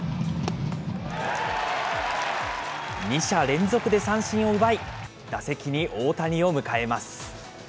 ２者連続で三振を奪い、打席に大谷を迎えます。